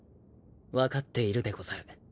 分かっているでござる。